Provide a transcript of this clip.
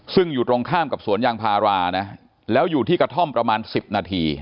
ซึ่งอยู่ตรงข้ามกับสวนยางพารานะแล้วอยู่ที่กระท่อมประมาณ๑๐นาที